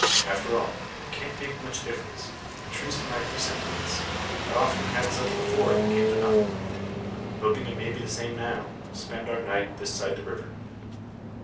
After all, it can't make much difference. A truce to my presentiments. I've often had such before, that came to nothing. Hoping it may be the same now, we'll spend our night this side the river."